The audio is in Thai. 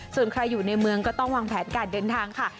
ส่วนใครอยู่ในเมืองก็ต้องวางแผนการเดินทางค่ะ